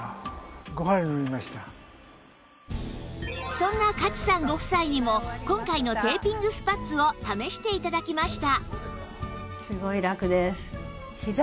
そんな勝さんご夫妻にも今回のテーピングスパッツを試して頂きました